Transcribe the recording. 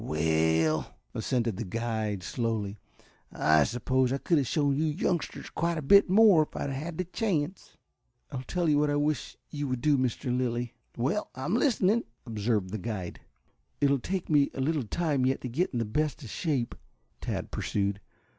"Well," assented the guide slowly, "I suppose I could have shown you youngsters quite a bit more if I had had the chance." "I'll tell you what I wish you would do, Mr. Lilly." "Well, I'm listening," observed the guide. "It will take me a little time yet to get in the best of shape," Tad pursued.